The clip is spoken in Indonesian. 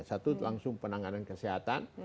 satu langsung penanganan kesehatan